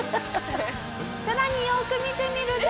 「さらによーく見てみると」